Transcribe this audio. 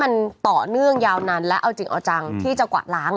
สะเทือนทางวงการ